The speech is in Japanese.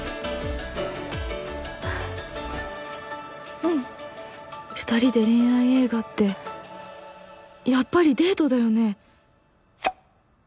うん二人で恋愛映画ってやっぱりデートだよね？